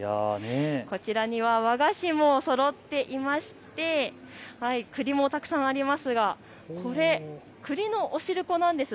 こちらには和菓子もそろっていましてくりもたくさんありますが、これ、くりのお汁粉なんです。